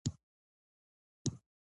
تودوخه د افغانستان د اجتماعي جوړښت برخه ده.